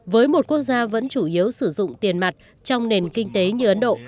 với một quốc gia vẫn chủ yếu sử dụng tiền mặt trong nền kinh tế như ấn độ